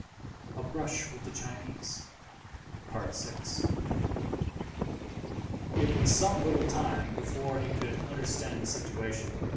A BRUSH WITH THE CHINESE.—VI. It was some little time before he could understand the situation.